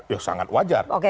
ya sangat wajar